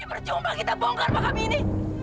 jadi percuma kita bongkar makam ini